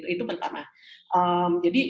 itu pertama jadi